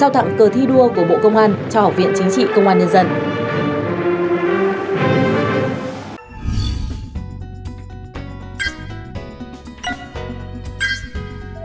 hãy đăng ký kênh để ủng hộ kênh của chúng mình nhé